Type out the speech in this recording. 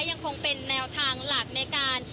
ยังคงเป็นแนวทางหลักในการ